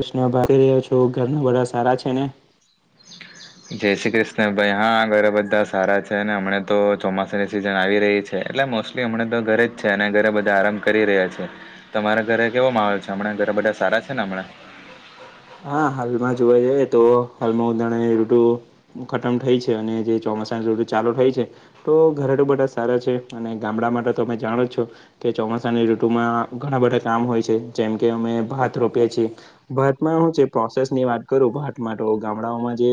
કૃષ્ણ ભાગ રહ્યો છો ઘરના બધા સારા છે ને. જય શ્રી કૃષ્ણ ભાઈ હા ઘરે બધા સારા છે ને હમણાં તો ચોમાસાની સિઝન આવી રહી છ છે એટલે મોસ્ટલી હમણા તો ઘરે જ છે અને ઘરે બધા આરામ કરી રહ્યા છે. તમારા ઘરે કેવો માહોલ છે હમણાં ઘરે બધા સારા છે ને હમણાં. હા હાલમાં જોવા જઈએ તો હાલમાં ઉનાળાની ઋતુ ખતમ થઈ છે અને જે ચોમાસાની ઋતુ ચાલુ થઈ છે. તો ઘરે તો બધા સારા છે અને ગામડામાં તો તમે જાણો છો. કે ચોમાસાની ઋતુમાં ઘણા બધા કામ હોય છે જેમ કે અમે ભાત રોપીએ છીએ ભાત માં હું છે પ્રોસેસ ની વાત કરું ભાતમાં ગામડાઓમાં જે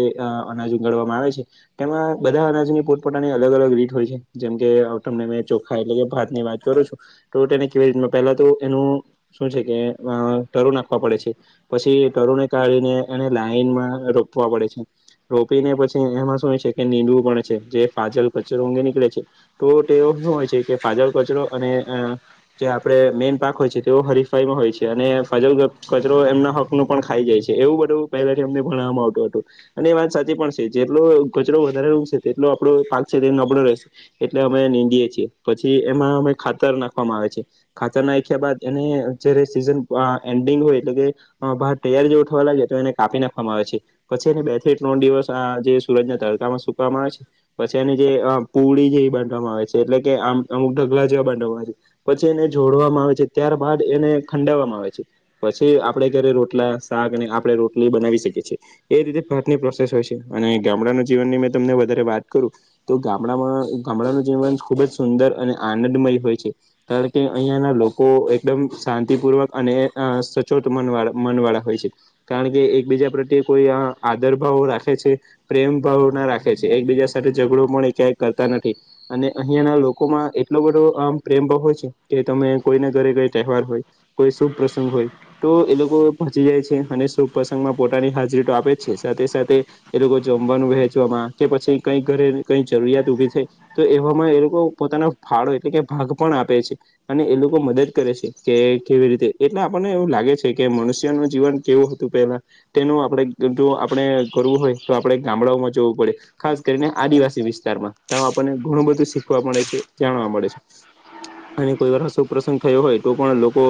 અનાજ ઉગાડવામાં આવે છે. તેમાં બધા અનાજની પોતપોતાની અલગ અલગ રીત હોય છે જેમ કે તમને મેં ચોખા એટલે કે ભાતની વાત કરુ છું તો તેને કેવી રીતનું પેલા તો એનું શું છે કે તરુ નાખવા પડે છે. પછી તરુને કાઢીને એને લાઈનમાં રોપવા પડે છે. રોપીને પછી એમાં શું હોય છે કે નીંદવું પડે છે જે ફાજલ કચરો ઊંગી નીકળે છે. તો તેવો શું હોય છે કે ફાજલ કચરો અને અ જે આપડે મેન પાક હોય છે તેઓ હરીફાઈમાં હોય છે અને ફજલ કચરો એમના હા નું પણ ખાઈ જાય છે એવું બધું પહેલેથી અમને ભણવામાં આવતું હતું અને એ વાત સાચી પણ છે જેટલો કચરો વધારે ઉગશે તેટલો આપડો પાક છે તે નબળો રહેશે એટલે અમે નીંદીએ છીએ પછી એમાં અમે ખાતર નાખવામાં આવે છે ખાચર નાખ્યા બાદ એને જયારે સીઝન એન્ડિંગ હોય એટલે કે અ ભાત તૈયાર જેવો થવા લાગે તો એને કાપી નાખવામાં આવે છે પછી એને બે થી ત્રણ દિવસ આ જે સુરજ ના તડકામાં સુકવામાં આવેે છે પછી એની જે અ પુડી જેવી બાંધવામાં આવે છે એટલે કે આમ અમુક ઢગલા જેવા બાંધવામાં આવે છે પછી એને જોડવામાં આવે છે ત્યાર બાદ એને ખંડવામાં આવે છે પછી આ આપડણે ઘરે રોટલા શાક અને આપડણે રોટલી બનાવી શકીએ છીએ એ રીતે ભારતની પ્રોસેસ હોય છે અને ગામડાનું જીવનની મે તમને વધારે વાત કરું તો ગામડામાં ગામડાનું જીવન ખુબ જ સુંદર અને આનંદમય હોય છે કારણ કે અહિયાંના લોકો એકદમ શાંતિપૂર્વક અને સચોટ ળ મનવાળા હોય છે કારણ કે એકબીજા પ્રત્યે કોઈ આદર ભાવો રાખે છે પ્રેમ ભાવના રાખે છે એકબીજા સાથે ઝઘડો પણ ક્યાંય કરતા નથી અને અહિયાં ના લોકોમાં એટલો બધો આમ પ્રેમાવ હોય છે કે તમે કોઈના ઘરે કઈ તહેવાર હોય કોઈ શુભ પ્રસંગ હોય તો એ લોકો પંચી જાય છે અને શભ પ્રસંગમાં પોતાની હાજરી તો આપે જ છે સાથે સાથે એ લોકો જમવાનું વહેંચવામાં કે પછી કઈ ઘરે કઈ જરૂરિયાત ઉઊભી થઈ તો એવામાં એ લોકો પોતાનો ફાળો એટલે કે ભાગ પણ આપે છે અને એ લોકો મદદ કરે છે કે કેવી રીતે એટલે આપણને એવું લાગે છે કે મનુષ્ય ન જીવન કેવું હતું પેલા તેનું આપડણે જો આપણે કરવું હોય તો આપડણે ગામડાઓમાં જવું પડે ખાસ કરીને આદિવાસી વિસ્તારમાં ત આપણને ઘણું બધું શીખવા મળે છે જાણવા મળે છે અને કોઈ વાર અસ પ્રસંગ થયો હોય તો પણ લોકો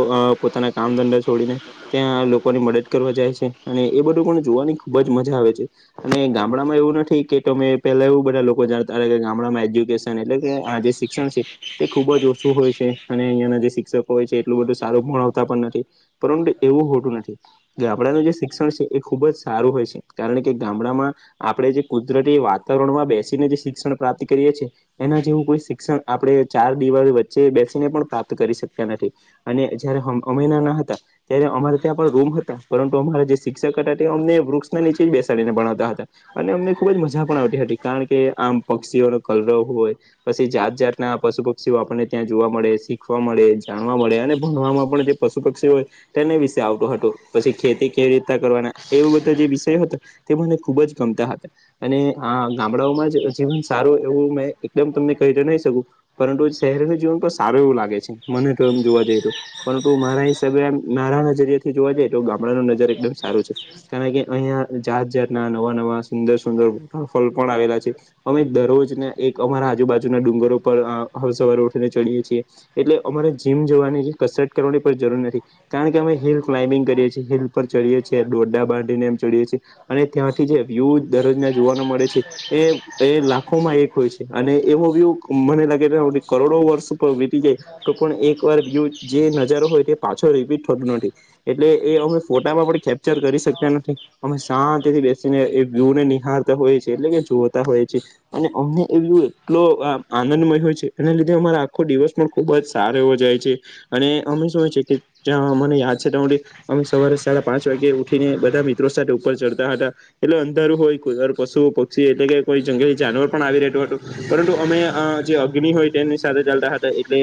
પોતાના કામ ધંધા છોડીને ત્યાં લોકોની મદદ કરવા જાય છે અને એ બધું પણ જોવાની ખુબ જ મજા આવે છે અને ગામડામાં એવું નથી કે તમે પેલા એવું બધા લોકો જાણતા કે ગામડામાં એજ્યુકેશન એટલે કે આજ છે તે ખુબ જ ઓછું હોય છે અને અહિયાંના જે શિક્ષકો હોય છે એટલું બધું સારું ભણાવતા પણ નથી પરંતુ એવું હોટું નથી કે આપણાનું જે શિક્ષણ છે એ ખુબ જ સારું હોય છે કારણ કે ગામડામાં આપણે જે કુદરતી વાતાવરણમાં બેસીને જે શિક્ષણ પ્રાપ્તિ કરીએ છીએ એના જેવું કોઈ શિક્ષણ આપણે ચાર દિવાળી વચ્ચે બેસીને પણ પ્રાપ્ત કરી શકતા નથી અને જયારે અમેના ના હતા ત્યારે અમારે ત્યાં પણ રૂમ હતા પરંતુ અમારા જે શિક્ષક હતા તે અમને વૃક્ષના નીચે જ બેસાડીને ભણાવતા હતા અને અમને ખુબ જ મજા પણ આવતી હતી કારણ કે આમ પક્ષીઓનો કલરવ હોય પછી જાત જાતના પશુ પક્ષીઓ આપણને ત્યાં જોવા મળે શીખવા મળે જાણવા મળે અને ભણવામાં પણ પશુ પક્ષી હોય તેને વિશે આવતું હતું પછી ખેતી કેવી રીતના કરવાના એવું બધા જે વિષય હતો તે મને ખુબ જ ગમતા હતા અને આ ગામડાઓમાં જ જીવન સારું એવું મેં એકદમ તમને કહી નહી શકું પરંતુ શહેરનું જીવન તો સારું એવું લાગે છે મને તો એમ જોવા જઈ રહ્યું પરંતુ મારા હિસાબે નારા નજરીિયા થી જોવા જાય તો ગામડા ન નજર એકદમ સારું છે કારણ કે અહિયાં જાત જાાતના નવા નવા સુંદર સુંદર વોટરફોલ પણ આવેલા છે અમે દરરોજને એક અમારા આજુબાજુના ડુંગરો પર હવે સવારે ઉઠીને ચડીએ છીએ એટલે અમારે જીમ જવાની કે કસરત કરવાની પણ જરૂર નથી કારણ કે અમે હિલ ક્લાઇમ્બિંગ કરીએ છીએ હિલ પર ચડીએ છીએ ડોડા બાડીનેમ ચડીએ છીએ અને ત્યાંથી જે વ્યૂ દરરોજના જોવાના મળે છે એ એ લાખોમાં એક હોય છે અને એવો વ્યુ મને લાગે કરોડો વર્ષ વીતી જાય તો પણ એક વાર બ જે નજારો હોય તે પાછો રિપીટ થતું નથી એટલે એ અમે ફોટામાં કરી શકતા નથી અમે શાંતિ થી બેસીને એ વ્યુ ને નિહળ હોય છે એટલે કે જોતા હોય છે અને અમને એભી એટલો આનંદમય હોય છે એના લીધે અમારે આખો દિવસ પણ ખુબ જ સારો એવો જાય છે અને અમે શું હોય છે કે ત્યાં મને યાદ છે ત્યાં સુધી અમે સવારે સાડા પાંચ વાગે ઉઠીને બધા મિત્રો સાથે ઉપર ચડતા હતા. એટલે અંધારું હોય પશુ પક્ષી એટલે કે કોઈ જંગલી જાનવર પણ આવી રહેતું હતું. પરંતુ અમે જે અગ્નિ હોય તેમની સાથે ચાલતા હતા એટલે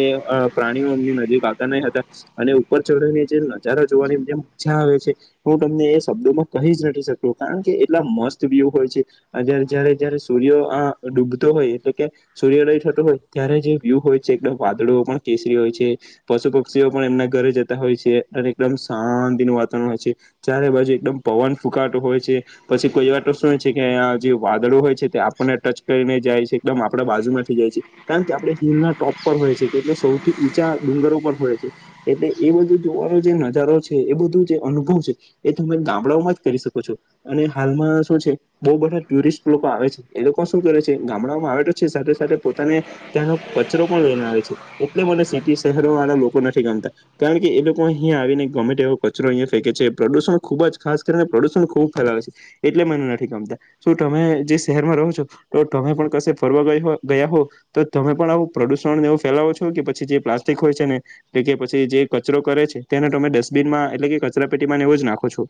પ્રાણીઓ એમની નજીક આવતા નય હતા. અને ઉપર ચઢીને જે નજારા જોવાની જે મજા આવે છે. હું તમને એ શબ્દોમાં કહી જ નથી શકતો કારણ કે એટલા મસ્ત વ્યુ હોય છે. અ્યારે જયારે જયારે સૂર્ય આ ડૂબતો હોય એટલે કે સૂર્યોદય થતો હોય ત્યારે જે વ્યૂહ હોય છે એકદમ વાદળો પણ કેસરી હોય છે. પશુ પક્ષીઓ પણ એમના ઘરે જતા હોય છે, અને એકદમ શાંતિનું વાતાવરણ હોય છે. ચારે બાજુ એકદમ પવન ફૂંકાતો હોય છે. પછી કોઈ એવા ટશું હોય છે કે આ જે વાદળો હોય છે તે આપણને ટચ કરીને જાય છે, એકદમ આપડા બાજુ માં થઈ જાય છે. કારણ કે આપણે હિલના ટોપ પર હોય છે કે એટલે સૌથી ઊંચા ડુંગરો પર હોય છે. એટલે એ બધું જોવાનો જે નજારો છે એ બધું જે અનુભવ છે એ તમે ગામડાઓમાં જ કરી શકો છો. અને હાલમાં શું છે બહું બધા ટુરિસ્ટ લોકો આવે છે, એ લોકો શું કરે છે ગામડામાં આવે તો છે સાથે-સાથે પોતાને ત્યાંનો કચરો પણ લઈને આવે છે, એટલે મને સિટી શહેરો વાળા લોકો નથી ગમતા. કારણ કે એ લોકો અહીંયા આવીને ગમે તેવો કચરો અહીંયા ફેંકે છે, પ્રદૂષણ ખુબ જ, ખાસ કરીને પ્રદુષણ ખૂબ ફેલાવે છે. એટલે મને નથી ગમતા. શું તમે જે શહેરમાં રહો છો તો તમે પણ કશે ફરવા ગઈ ગયા હો તો તમે પણ આવું પ્રદુષણને એવું ફેલાવો છો કે પછી જે પ્લાસ્ટિક હોય છે ને એ કે પછી જે કચરો કરે છે તેને તમે ડસ્ટબિન માં એટલે કે કચરા પેટી માંને એવો જ નાખો છો.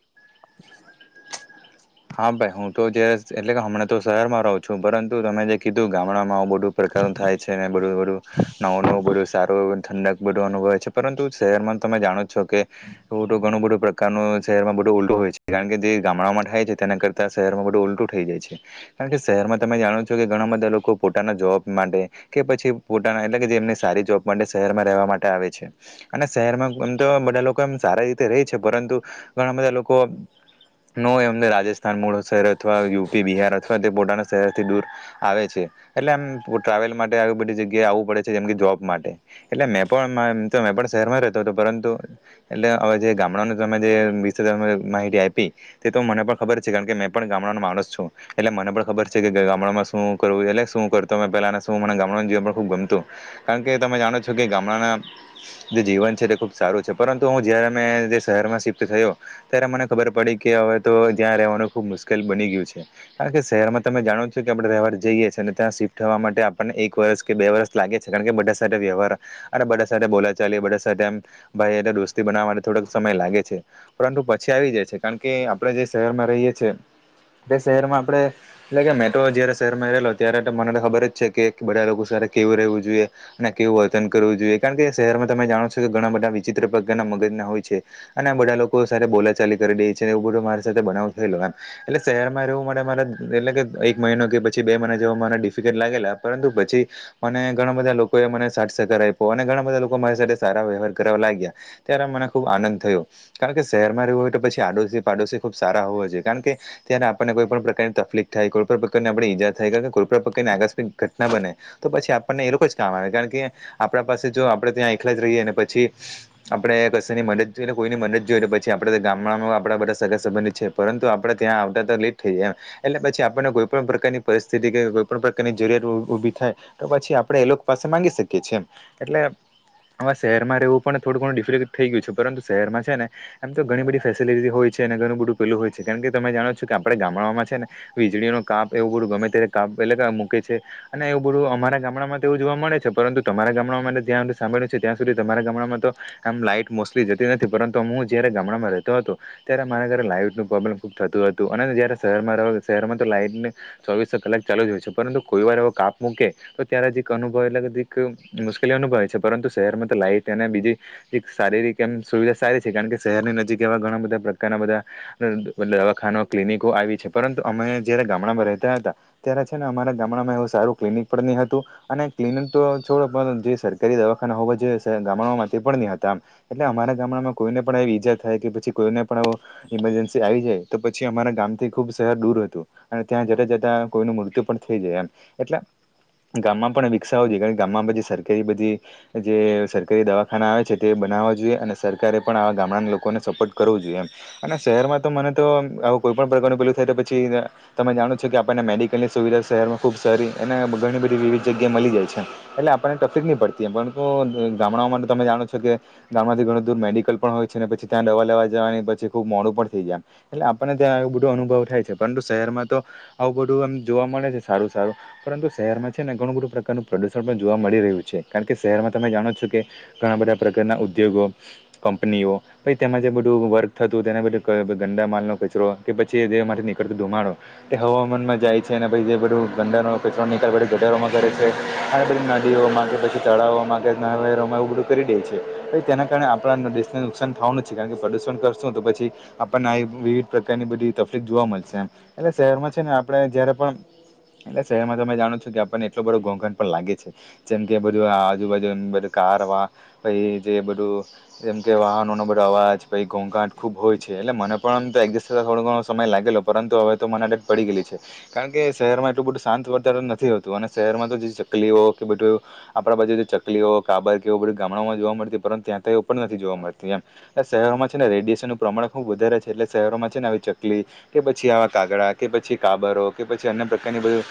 હા ભાઈ. હું તો જે એટલે કે હમણા તો શહેરમાં રહું છું, પરંતુ તમે જે કીધું ગામડામાં આવું બધ ધુ પ્રકારનું થાય છે ને બધુ ઓલું નવું-નવું બધું સારું એવું ઠંડક બધું અનુભવે છે, પરંતુ શહેરમાં તમે જાણો જ છો કે એવું તો ઘણું બધું પ્રકારનું શહેર માં બધો ઉલટો હોય છે કારણ કે જે ગામડામાં થાય છે તેના કરતા શહેરમાં બધું ઉલટું થઈ જાય છે. કારણ કે શહેરમાં તમે જાણો છો કે ઘણા બધા લોકો પોતાના જોબ માટે કે પછી પોતાના એટલે કે જેમની સારી જોબ માટે શહેરમાં રહેવા માટે આવે છે અને શહેરમાં આમ તો બધા લોકો એમ સારા રીતે રેય છે, પરંતુ ઘણા બધા લોકો નો એમને રાજસ્થાન મુળ શહેર અથવા યુ પી, બિહાર અથવા તે પોતાના શહેરથી દૂર આવે છે, એટલે એમ પો ટ્રાવેલ માટે આવી બધી જગ્યાએ આવું પડે છે, જેમ કે જોબ માટે. એટલે મેં પણ મા એમ તો મેં પણ શહેર માં રહેતો હતો પરંતુ એટલે હવે જે ગામડાનું તમે જે વિશે તમે માહિતી આપી તે તો મને પણ ખબર છે કારણ કે મેં પણ ગામડાનો માણસ છું. એટલે મને પણ ખબર છે કે ગામડામાં શું કરવું એટલે શું કરતો મે પહેલા શું મને ગામડામાં જીવન પણ ખુબ ગમતું. કારણ કે તમે જાણો છો કે ગામડાના જે જીવન છે તે ખુબ સારું છે, પરંતુ હું જયારે મે જે શહેરમાં શિફ્ટ થયો ત્યારે મને ખબર પડી કે હવે તો જ્યાં રહેવાનું ખુબ મુશ્કેલ બની ગયું છે. કારણ કે શહેરમાં તમે જાણો છો કે આપણે રહેવા જઈએ છીએ અને ત્યાં શિફ્ટ થવા માટે આપણને એક વર્ષ કે બે વર્ષ લાગે છે, કારણ કે બધા સાથે વ્યવહાર અને બધા સાથે બોલા ચાલી બધા સાથે એમ ભાઈ હારે દોસ્તી બનાવવા માટે થોડોક સમય લાગે છે, પરંતુ પછી આવી જાય છે, કારણ કે આપણે જે શહેરમાં રહીએ છીએ, તે શહેરમાં આપણે એટલે કે મે તો જયારે શહેરમાં રહેલો ત્યારે તો મને ખબર જ છે કે બધા લોકો સાથે કેવું રહેવું જોઈએ અને કેવું વર્તન કરવું જોઈએ, કારણ કે શહેરમાં તમે જાણો છો કે ઘણા બધા વિચિત્ર પ્રકારના મગજ ના હોય છે. અને આ બધા લોકો સાથે બોલાચાલી કરી દે છે, એવું બધું મારી સાથે બનાવ થયેલો એમ. એટલે શહેરમાં રહેવું મારા મારા એટલે કે એક મહિનો કે પછી બે મહિના જેવા મને ડિફિકલ્ટ લાગેલા, પરંતુ પછી અને ઘણા બધા લોકો એ મને સાથ સહકાર આપ્યો અને ઘણા બધા લોકો મારી સાથે સારા વ્યવહાર કરવા લાગ્યા. ત્યારે મને ખૂબ આનંદ થયો, કારણ કે શહેરમાં રહેવું હોય તો પછી આડોશી પાડોશી ખૂબ સારા હોવા જોઈએ, કારણ કે ત્યારે આપણને કોઈ પણ પ્રકારની તકલીફ થાય, કોઈ પણ પ્રકાર ની આપણે ઈજા થાય, કારણ કે કોઈપણ પ્રકાર ની આકસ્મિક ઘટના બને તો પછી આપણને એ લોકો જ કામ આવે, કારણ કે આપણા પાસે જો આપણે ત્યાં એકલા જ રહીએ ને પછી આપડે કસે ની મદદ જોઈ અને કોઈની મદદ જોઈએ પછી આપડે તો ગામડામાં આપડા બધા સગા સંબંધિત છે, પરંતુ આપડે ત્યાં આવતા તા લેટ થઈ જાય. એટલે પછી આપણને કોઈ પણ પ્રકારની પરિસ્થિતિ કે કોઈ પણ પ્રકારની જરૂરિયાત ઊ ઊભી થાય તો પછી આપણે એ લોકો પાસે માંગી શકીએ છીએ એમ. એટલે હવે શહેરમાં રહેવું પણ થોડું ઘણું ડિફિક્ટ થઈ ગયું છે, પરંતુ શહેરમાં છે ને એમ તો ઘણી બધી ફેસિલિટી હોય છે, અને ઘણું બધું પેલું હોય છે, કારણ કે તમે જાણો છો કે આપણે ગામડાઓમાં છે ને વીજળી નો કાપ એવું બધું ગમે ત્યારે કાપ પેલેજ મૂકે છે. અને એવું બધું અમારા ગામડામાં તો એવું જોવા મળે છે પરંતુ તમારા ગામડામાં જ્યાં સાંભળ્યું છે ત્યાં સુધી તમારા ગામડામાં તો આમ લાઈટ મોસ્ટલી જતી નથી. પરંતુ હું જયારે ગામડામાં રહેતો હતો ત્યારે મારા ઘરે લાઈટનું પ્રોબ્લમ ખૂબ થતું હતું અને જ્યારે શરમાં રહેવા આવ્યો શહેરમાં તો લાઈટ ને ચોવીસ કલાક ચાલુ જ પરંતુ કોઈ વાર ઓ કાપ મૂકે તો ત્યારે જ એક અનુભવેલેધી એક મુશ્કેલી અનુભવે છે પરંતુ શહેરમાં તો લાઈટ અને બીજી એક શારીરિક એમ સુવિધા સારી છે કારણ કે શહેરની નજીક એવા ઘણા બધા ઘણાબધા દવાખાના ક્લિનિકો આવી છે પરંતુ અમે જયારે ગામડામાં રહેતા હતા ત્યારે છે ને અમારા ગામડામાં એવું સારું ક્લિનિક પણ નહી હતું અને ક્લિનિક તો છોડો પણ જે સરકારી દવાખાના હોવા જોઈએ ગામડામાં તે પણ નહી હતા. એટલે અમારા ગામડામાં કોઈને પણ એવી ઈજા થાય કે પછી કોઈને પણ ઈમરજન્સી આવી જાય તો પછી અમારા ગામથી ખુબ શહેર દૂર હતું. અને ત્યાં જતા જતા કોઈનું મૃત્યુ પણ થઈ જાય એમ એટલે ગામમાં પણ વિકસાવું જોઈએ કારણ કે ગામમાં બધી સરકારી બધી જે સરકારી દવાખાના આવે છે તે બનાવવા જોઈએ અને સરકારે પણ આવા ગામડાના લોકોને સપોર્ટ કરવો જોઈએ. અને શહેરમાં તો મને તો કોઈ પણ પ્રકારનું પેલું થાય તો પછી તમે જાણો છો કે આપણને મેડિકલની સુવિધા શહેરમાં ખુબ સારી અને ઘણી બધી વિવિધ જગ્યાએ મળી જાય છે. એટલે આપણને તકલીફ નહી પડતી એમ પણ ગામડાઓમાં તમે જાણો છો કે ગામમાંથી ઘણું દૂર મેડિકલ પણ હોય છે ને પછી ત્યાં દવાલેવા જવાની ખૂબ મોડું પણ થઈ જાય એટલે આપણને ત્યાં એવુંબધું અનુભવ થાય છે પરંતુ શહેરમાં તો આવું બધું એમ જોવા મળે ને સારું સારું. પરંતુ શહેરમાં છે ને ઘણું બધું પ્રકારનું પ્રદુષણ પણ જોવા મળી રહ્યું છે. કારણ કે શહેરમાં તમે જાણો છો કે ઘણા બધા પ્રકારના ઉદ્યોગો, કંપનીઓ પહિ તેમાં જે બધું વર્ક થતું તેના ગંદા માલ નો કચરો કે પછી તેમાંથી નીકળતો ધુમાડો તે હવામાનમાં જાય છે અને પછી બધું ગટર નિકાલ ગઢારોમાં કરે છે. આ બધી નદીઓમાં કે પછી તળાવોમાં કેરોમાં એવું બધું કરી દે છે તેના કારણે આપણા નુકસાન થવાનુ છે કારણ કે પ્રદુષણ છે તો પછી આપણને વિવિધ પ્રકારની બધી તકલીફ જોવા મળે છે. એટલે શહેરમાં છે ને આપણે જયારે પણ એટલે શહેરમાં તમે જાણો છો કે આપણને એટલો બધો ઘોંઘાટ પણ લાગે છે. જેમ કે બધું આજુબાજુ એ બધું કાર વા જે બધું જેમ કે વાહનો ના બધા અવાજ પછી ઘોંઘાંટ ખુબ હોય છે એટલે મને પણ તો એજસ્ટ થતા થોડો ઘણો સમય લાગેલો પરંતુ હવે તો મને આદત પડી ગયેલી છે. કારણ કે શહેરમાં એટલું બધું શાંત વાતાવરણ નથી હોતું અને શહેરમાં તો જે ચકલીઓ કે બધું આપણા બાજુ ચકલીઓ, કાબર કેવું બધી ગામડાઓમાં જોવા મળતી પરંતુ ત્યાં તેઓ પણ નથી જોવા મળતી એમ. શહેરો માં છે ને રેડી એનું પ્રમાણ ખુબ વધારે છે, એટલે શહેરોમાં છે ને, આવી ચકલી. કે પછી આવા કાગડા કે પછી કાબરો કે પછી અન્ય પ્રકારની બધું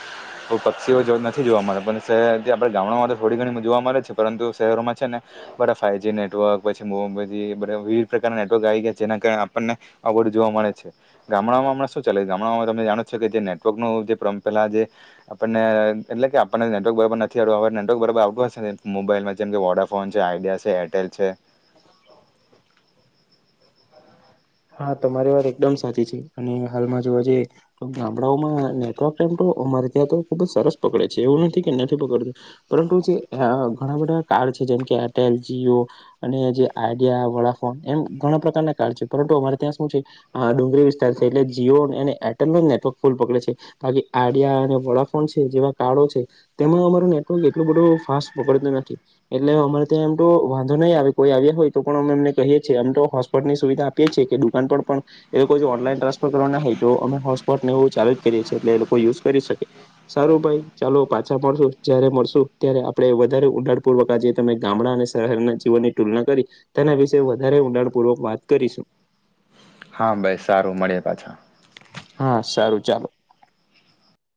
તો પક્ષીઓ જોવા નથી જોવા મળે પણ શહેર આપે ગામડામાં તો થોડી ઘણી જોવા મળે છે પરંતુ શહેરોમાં છે ને બધા ફાઈવજી નેટવર્ક પછી મોબ વિવિધ પ્રકારના નેટવર્ક આવી ગયા છે. જેના કારણે આપણને આવુબધુ જોવા મળે છે. ગામડામાં હમણા શુ ચાલે છે? ગામડાઓમાં તમે જાણો છો કે જે નેટવર્ક નો જે પ્રદુ પહેલા જે આપને એટલે કે આપણને નેટવર્ક બરોબર નથી આવ્યું હવે નેટવર્ક બરાર આવુંશે ને મોબાઈલમાં જેમ કે વોડાફોન છે, આઈડિયા છે, એટેલ છે હ હા તમારી વાત એકદમ સાચી છે અને હાલમાં જોવા જઈએ ગામડાઓમાં નેટવર્ક એમ તો અમારે ત્યાં તો ખુબ જ સરસ પકડે છે એવું નથી કે નથી પકડતું પરંતુ જે ઘણા બધા કાર છે જેમ કે એટેલ, જીઓ અને જે આઈડિયા, વોડાફોન એમ ઘણા પ્રકારના કાર્ડ છે. પરંતુ અમારે ત્યાં શું છે આ ડુંગર વિસ્તાર છે એટલે જીઓ અને એટેલ ના નેટવર્ક ફૂલ પકડે છે. બાકી આઈડિયા અને વોડાફોન છે જેવા કાડો છે. તેમાં અમારું નેટવર્ક એટલું બધું ફાસ્ટ પકડતું નથી એટલે અમારે ત્યાં એમ તો વાંધો નહી આવે કોઈ આવ્યા હોય તો પણ અમે અમને કહીએ છીએ આમ તો હોસ્પોટ ની સુવિધા આપ કે છે કે દુકાન પર પણ એ લોકો જો ઓનલાઈન ટ્રાન્સફર કરવા ના હોય તો અમે હોટસ્પોટને એવું ચાલુ જ કરીએ છીએ એટલે એ લોકો યુઝ કરી શકે સારું ભાઈ ચાલો પાછા મળશું જયારે મળશું ત્યારે આપડે વધારે ઉડાણ પૂર્વક આજે તમે ગામડા ને શહેરના જીવનની તુલના કરી તેના વિશે વધારે ઊંડાણપૂર્વક વાત કરીશું. હા બસ સારું મળે પાછા હા સારું ચાલો